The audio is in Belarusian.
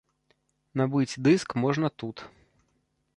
Набыць дыск можна тут.